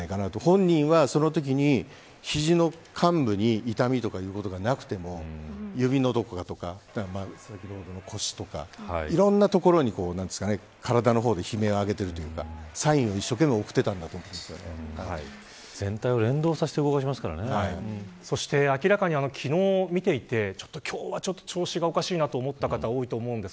本人はその時に、肘の患部に痛みということがなくても指のどこかとか腰とか、いろいろなところに体の方で悲鳴を上げているというかサインを一生懸命全体を連動させてそして明らかに昨日見ていて今日はちょっと調子がおかしいなと思った方多いと思います。